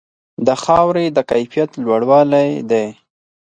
د خاورې د کیفیت لوړوالې دی.